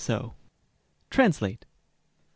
TRANSLATE 1.